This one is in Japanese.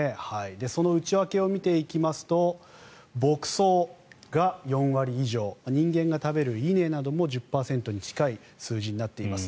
その内訳を見ていきますと牧草が４割以上人間が食べる稲なども１０％に近い数字になっています。